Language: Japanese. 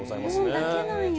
日本だけなんや。